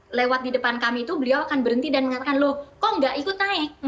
dan saat beliau di depan kami itu beliau akan berhenti dan mengatakan loh kok nggak ikut naik